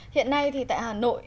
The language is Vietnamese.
hiện nay thì tại hà nội